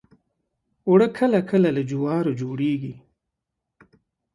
اوړه کله کله له جوارو جوړیږي